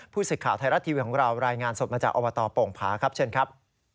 ศึกข่าวไทยรัฐทีวีของเรารายงานสดมาจากอบตโป่งผาครับเชิญครับ